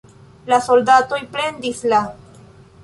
La soldatoj plendis La.